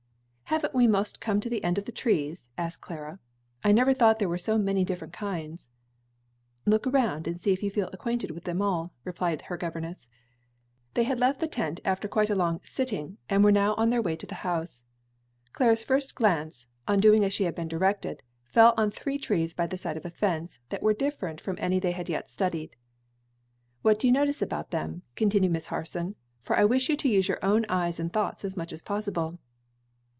"Haven't we 'most come to the end of the trees?" asked Clara. "I never thought that there were so many different kinds," "Look around and see if you feel acquainted with them all," replied her governess. They had left the tent after quite a long "sitting," and were now on their way to the house. Clara's first glance, on doing as she had been directed, fell on three trees by the side of a fence, that were different from any they had yet studied. "What do you notice about them?" continued Miss Harson; "for I wish you to use your own eyes and thoughts as much as possible."